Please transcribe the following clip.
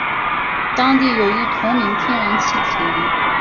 当地有一同名天然气田。